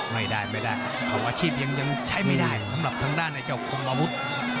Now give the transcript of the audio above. ไม่ได้ไม่ได้เขาอาชีพยังใช้ไม่ได้สำหรับทางด้านไอ้เจ้าคงอาวุธ